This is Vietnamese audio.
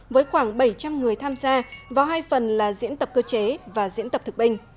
với khoảng bảy trăm linh người tham gia vào hai phần là diễn tập cơ chế và diễn tập thực binh